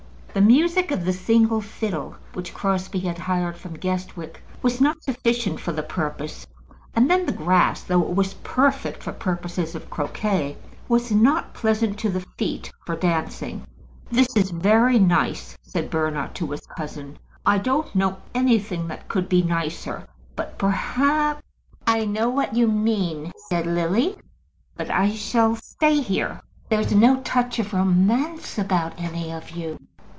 The music of the single fiddle which Crosbie had hired from Guestwick was not sufficient for the purpose; and then the grass, though it was perfect for purposes of croquet, was not pleasant to the feet for dancing. "This is very nice," said Bernard to his cousin. "I don't know anything that could be nicer; but perhaps " "I know what you mean," said Lily. "But I shall stay here. There's no touch of romance about any of you.